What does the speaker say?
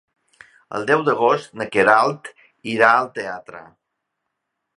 El deu d'agost na Queralt irà al teatre.